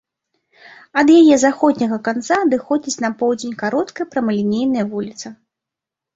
Ад яе заходняга канца адыходзіць на поўдзень кароткая прамалінейная вуліца.